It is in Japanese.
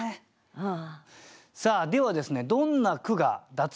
うん！